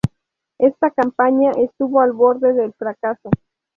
Esta campaña estuvo al borde del fracaso.